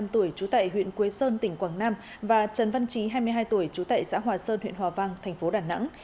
trú tại huyện quế sơn tỉnh quảng nam và trần văn trí hai mươi hai tuổi trú tại xã hòa sơn huyện hòa vang tp đà nẵng